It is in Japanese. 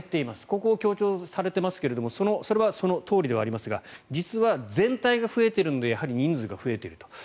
ここを強調されていますがそれはそのとおりではありますが実は全体が増えているのでやはり人数が増えていると。